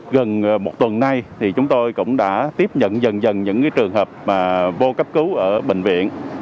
gần một tuần nay thì chúng tôi cũng đã tiếp nhận dần dần những trường hợp vô cấp cứu ở bệnh viện